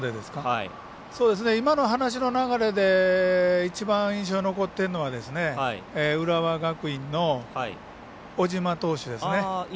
今の話の流れで一番印象に残っているのは浦和学院の小島投手ですね。